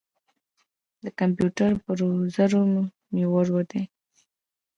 د کمپیوټر بروزر مې ورو دی.